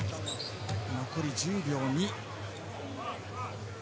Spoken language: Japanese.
残り１０秒２。